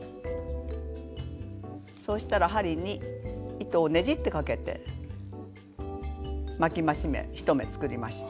そうしたら針に糸をねじってかけて巻き増し目１目作りました。